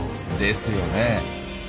ですよね。